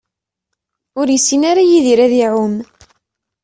Ur yessin ara Yidir ad iɛumm.